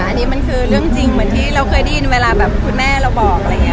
อันนี้ว่าเรื่องจริงที่เคยได้ยินเวลามีมีคุณแม่บอก